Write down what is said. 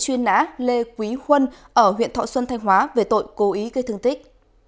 truy nã lê quý khuân ở huyện thọ xuân thanh hóa về tội cố ý gây thương tích